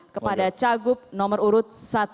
kepada cagup nomor urut satu